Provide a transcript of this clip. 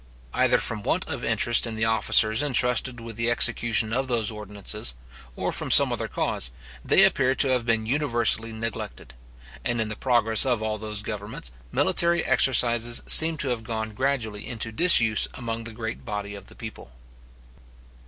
Either from want of interest in the officers entrusted with the execution of those ordinances, or from some other cause, they appear to have been universally neglected; and in the progress of all those governments, military exercises seem to have gone gradually into disuse among the great body of the people.